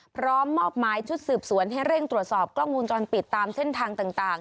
พร้อมมอบหมายชุดสืบสวนให้เร่งตรวจสอบกล้องวงจรปิดตามเส้นทางต่าง